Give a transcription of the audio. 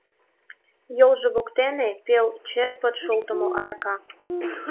Йолжо воктене — пел черпыт шолтымо арака.